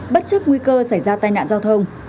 bất chấp nguy cơ xảy ra tai nạn giao thông